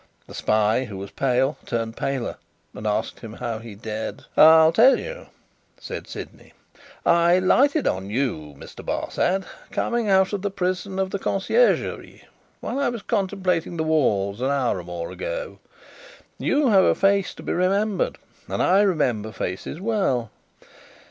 The spy, who was pale, turned paler, and asked him how he dared "I'll tell you," said Sydney. "I lighted on you, Mr. Barsad, coming out of the prison of the Conciergerie while I was contemplating the walls, an hour or more ago. You have a face to be remembered, and I remember faces well.